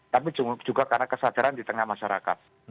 tapi juga karena kesadaran di tengah masyarakat